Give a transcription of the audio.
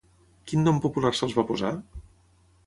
Quin nom popular se'ls va posar?